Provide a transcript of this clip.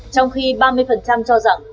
trong khi ba mươi cho rằng